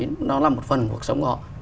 nó là một phần cuộc sống của họ